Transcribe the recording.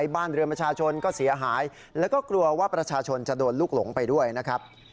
บ้านเรือนประชาชนก็เสียหายแล้วก็กลัวว่าประชาชนจะโดนลูกหลงไปด้วยนะครับ